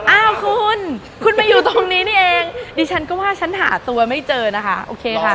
อ้าวคุณคุณมาอยู่ตรงนี้นี่เองดิฉันก็ว่าฉันหาตัวไม่เจอนะคะโอเคค่ะ